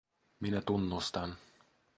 Minä tunnustan.